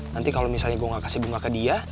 nanti kalau misalnya gue gak kasih bunga ke dia